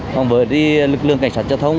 còn với lực lượng cảnh sát giao thông